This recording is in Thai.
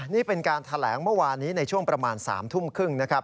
นี่เป็นการแถลงเมื่อวานนี้ในช่วงประมาณ๓ทุ่มครึ่งนะครับ